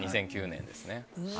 ２００９年ですね。